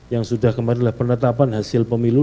yang sudah kemarin adalah penetapan hasil pemilu